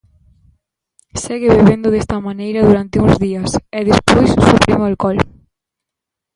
Segue bebendo desta maneira durante uns días, e despois suprime o alcol.